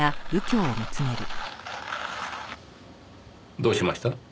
どうしました？